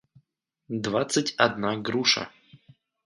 двадцать одна груша